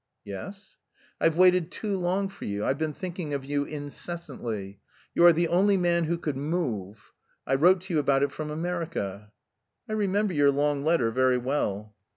"Yes?" "I've waited too long for you. I've been thinking of you incessantly. You are the only man who could move... I wrote to you about it from America." "I remember your long letter very well."